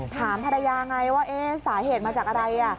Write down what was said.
ถามภรรยาไงว่าสาเหตุมาจากอะไร